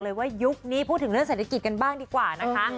เรียกเลยว่ายุคนี้พูดถึงเศรษฐกิจกันบ้างดีกว่านะคะ